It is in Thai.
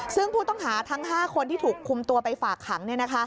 ซึ่งผู้ต้องหาทั้ง๕คนที่ถูกคุมตัวไปฝากขัง